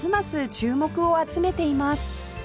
注目を集めています